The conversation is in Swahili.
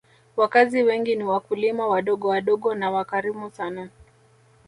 Wakazi wengi ni wakulima wadogowadogo na wakarimu sana